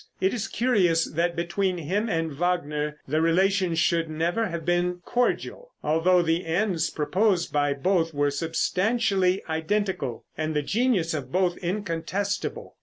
It is curious that between him and Wagner the relations should never have been cordial, although the ends proposed by both were substantially identical, and the genius of both incontestable.